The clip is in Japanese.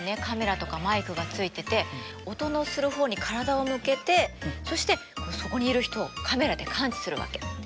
カメラとかマイクがついてて音のする方向に体を向けてそしてそこにいる人をカメラで感知するわけ。